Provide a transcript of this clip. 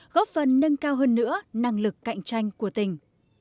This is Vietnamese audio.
góp phần nâng cao hơn nữa năng lực cạnh tranh của tỉnh